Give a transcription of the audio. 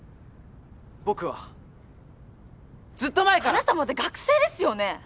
僕はずっと前からあなたまだ学生ですよね